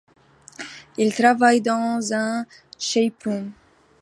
Ils travaillent dans un shaperoom.